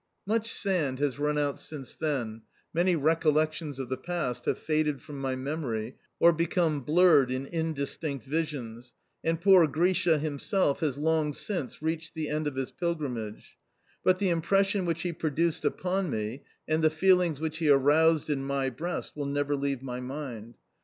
Much sand has run out since then, many recollections of the past have faded from my memory or become blurred in indistinct visions, and poor Grisha himself has long since reached the end of his pilgrimage; but the impression which he produced upon me, and the feelings which he aroused in my breast, will never leave my mind.